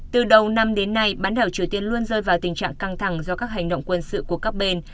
từ đầu năm đến nay bán đảo triều tiên luôn rơi vào tình trạng căng thẳng do các hành động quân sự của các bên